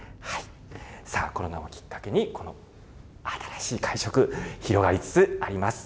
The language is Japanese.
さあ、コロナをきっかけに、この新しい会食、広がりつつあります。